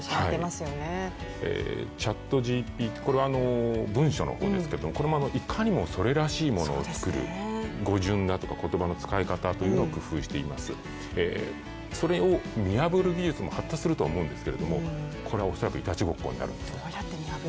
ＣｈａｔＧＰＴ、これは文章の方ですけれどもこれもいかにもそれらしいものを作る語順だとか、言葉の使い方というのを工夫しています、それを見破る技術も発達するとは思うんですけど、これは恐らくいたちごっこになりますね。